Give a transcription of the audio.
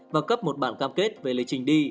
và cấp một bản cam kết về lịch trình đi